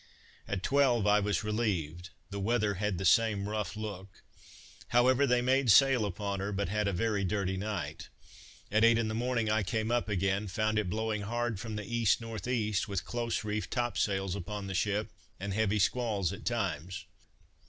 At twelve I was relieved; the weather had the same rough look: however, they made sail upon her, but had a very dirty night. At eight in the morning I came up again, found it blowing hard from the east north east, with close reefed top sails upon the ship, and heavy squalls at times.